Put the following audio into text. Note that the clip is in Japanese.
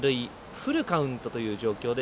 フルカウントという状況で。